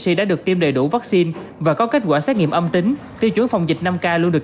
tri đã được tiêm đầy đủ vaccine và có kết quả xét nghiệm âm tính tiêu chuối phòng dịch năm k luôn được